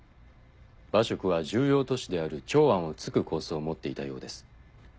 馬謖は重要都市である長安を突く構想を持っていたようです。